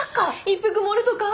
一服盛るとか？